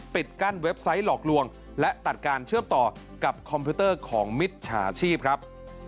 ปิดกั้นเว็บไซต์หลอกลวงและตัดการเชื่อมต่อกับคอมพิวเตอร์ของมิจฉาชีพครับ